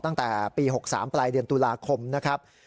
ตั้งแต่ปี๖๓ปลายเดือนตุลาคมนะครับ